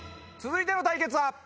続いての対決は。